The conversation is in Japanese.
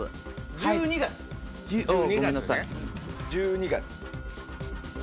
１２月。